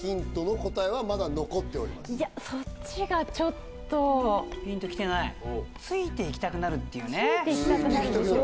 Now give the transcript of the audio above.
そっちがちょっとピンときてないついていきたくなるっていうねついていきたくなるんですよね